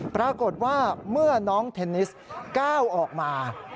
ปรากฏว่าเมื่อน้องเทนนิสก้าวออกมา